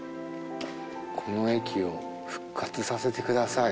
「この駅を復活させて下さい」